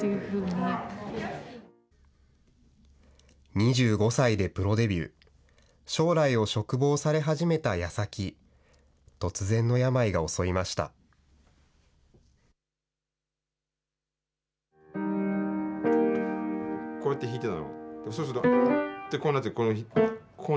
２５歳でプロデビュー、将来を嘱望され始めたやさき、突然の病が襲いました。